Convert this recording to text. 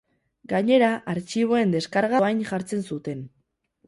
Gainera, artxiboen deskarga dohain jartzen zuten.